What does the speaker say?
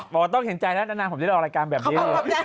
บอกว่าต้องเขียนใจนะนางผมจะได้รอรายการแบบนี้